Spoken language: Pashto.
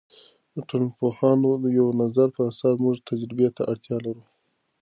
د ټولنپوهانو د یوه نظر په اساس موږ تجربې ته اړتیا لرو.